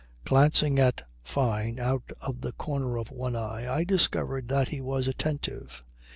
Glancing at Fyne out of the corner of one eye I discovered that he was attentive.